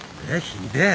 ひでえ。